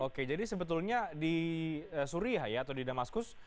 oke jadi sebetulnya di suriah ya atau di damaskus